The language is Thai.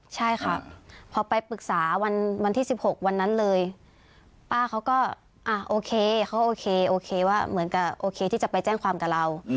ใช่ค่ะพอไปปรึกษาวันที่๑๖วันนั้นเลยป้าเขาก็โอเคเขาโอเคโอเคว่าเหมือนกับโอเคที่จะไปแจ้งความกับเรา